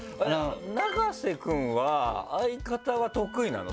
永瀬くんは相方は得意なの？